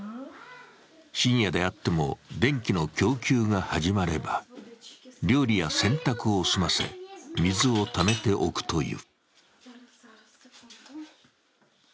深夜であっても電気の供給が始まれば料理や洗濯を済ませ水をためておくという。